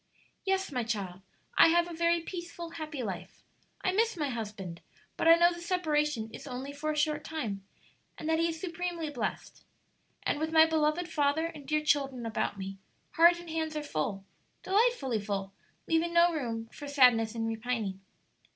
"Yes, my child; I have a very peaceful, happy life. I miss my husband, but I know the separation is only for a short time, and that he is supremely blessed. And with my beloved father and dear children about me, heart and hands are full delightfully full leaving no room for sadness and repining."